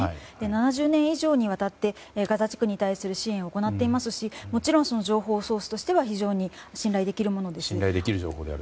７０年以上にわたってガザ地区に対する支援を行っていますしもちろん情報ソースとしては非常に信頼できるものです。